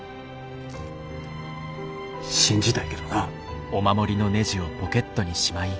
信じたいけどな。